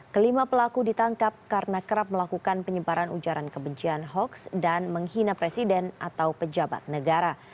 kelima pelaku ditangkap karena kerap melakukan penyebaran ujaran kebencian hoaks dan menghina presiden atau pejabat negara